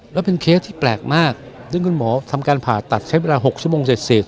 แล้วเป็นเคสที่แปลกมากซึ่งคุณหมอทำการผ่าตัดใช้เวลา๖ชั่วโมงเสร็จเสร็จ